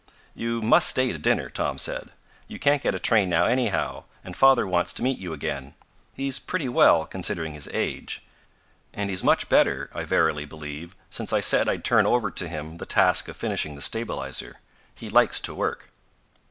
"You must stay to dinner," Tom said. "You can't get a train now anyhow, and father wants to meet you again. He's pretty well, considering his age. And he's much better I verily believe since I said I'd turn over to him the task of finishing the stabilizer. He likes to work."